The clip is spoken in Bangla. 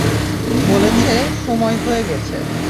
বলেছে, সময় হয়ে গেছে।